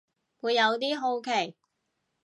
會有啲好奇